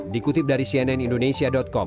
dikutip dari cnn indonesia com